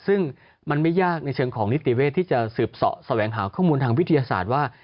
ซึ่งมันไม่ยากในเชิงของนิติเวทที่จะสืบเสาะแสวงหาข้อมูลทางวิทยาศาสตร์ว่า